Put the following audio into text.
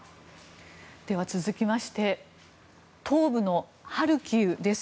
続きまして東部のハルキウです。